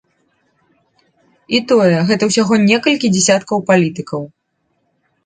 І тое, гэта ўсяго некалькі дзясяткаў палітыкаў.